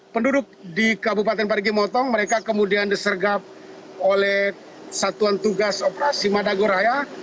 penduduk di kabupaten parigi motong mereka kemudian disergap oleh satuan tugas operasi madagoraya